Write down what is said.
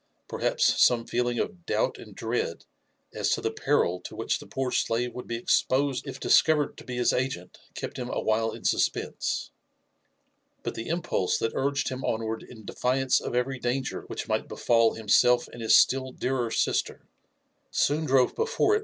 Perhaps some feeling of doubt and dread as to the peril to which the poor slave would be ex posed if discovered to behis agent kept him awhile in suspense ; but the impulse that urged him onward in defiance of every danger which might befall himself and his still dearer sister, soon drove before it JONATHAN JEFFERSON WHITLAW.